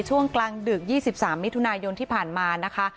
ช่วงกลางดึก๒๓มิถุนายนที่ผ่านมานะคะ